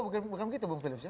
bukan begitu bung philips ya